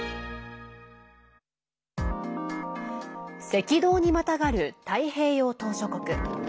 赤道にまたがる太平洋島しょ国。